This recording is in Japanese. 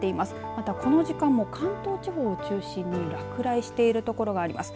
またこの時間も関東地方を中心に落雷している所があります。